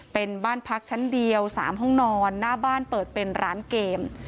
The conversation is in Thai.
เป็นบ้านพักชั้นเดียว๓ห้องนอนหน้าบ้านเปิดเป็นร้านเกม